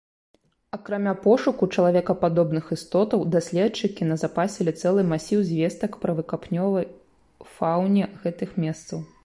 Акрамя пошуку чалавекападобных істотаў, даследчыкі назапасілі цэлы масіў звестак пра выкапнёвай фауне гэтых месцаў.